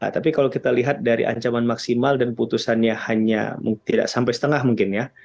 tapi kalau kita lihat dari ancaman maksimal dan putusannya hanya tidak sampai setengah mungkin ya